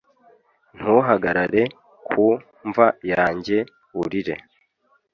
ntuhagarare ku mva yanjye urire